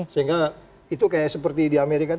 sehingga itu kayak seperti di amerika